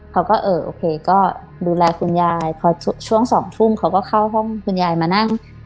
เขาก็เออโอเคก็ดูแลคุณยายพอช่วง๒ทุ่มเขาก็เข้าห้องคุณยายมานั่ง